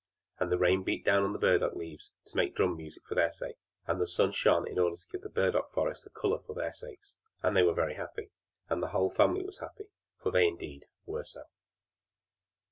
And the rain beat on the dock leaves to make drum music for their sake, and the sun shone in order to give the burdock forest a color for their sakes; and they were very happy, and the whole family was happy; for they, indeed were so.